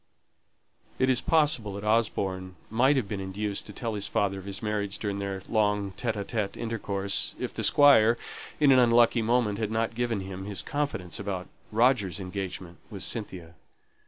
It is possible that Osborne might have been induced to tell his father of his marriage during their long solitary intercourse, if the Squire, in an unlucky moment, had not given him his confidence about Roger's engagement with Cynthia.